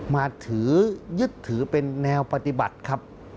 มาถือยึดถือเป็นแนวปฏิบัติครับ